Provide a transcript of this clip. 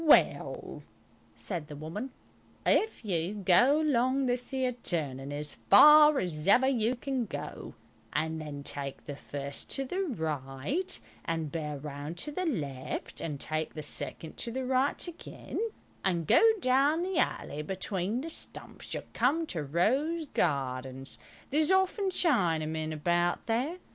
"Well," said the woman, "if you go along this 'ere turning as far as ever you can go, and then take the first to the right and bear round to the left, and take the second to the right again, and go down the alley between the stumps, you'll come to Rose Gardens. There's often Chinamen about there.